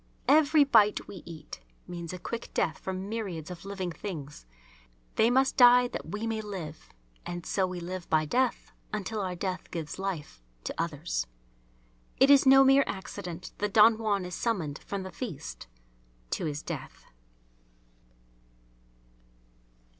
Every bite we eat means a quick death for myriads of living things. They must die that we may live. And so we live by death until our death gives life to others. It's no mere accident that Don Juan is summoned from the feast to his death.